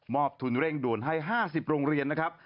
ทุนเร่งด่วนให้๕๐โรงเรียนนะครับ